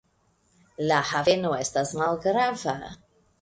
La haveno estas malgrava.